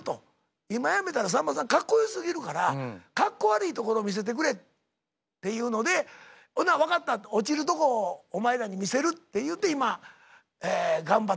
「今辞めたらさんまさんかっこよすぎるからかっこ悪いところ見せてくれ」って言うので「ほな分かった落ちるとこお前らに見せる」って言うて今頑張ってるんですよ。